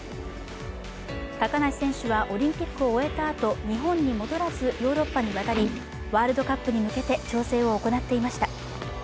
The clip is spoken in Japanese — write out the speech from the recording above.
高梨選手は、オリンピックを終えたあと、日本に戻らず、ヨーロッパに渡り、ワールドカップに向けて調整を行っていました。